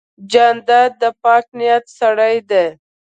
جانداد د پاک نیت سړی دی.